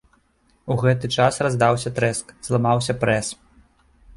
У гэты час раздаўся трэск, зламаўся прэс.